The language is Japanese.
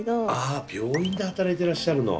ああ病院で働いてらっしゃるの。